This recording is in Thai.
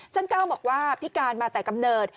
ก้าวบอกว่าพิการมาแต่กำเนิด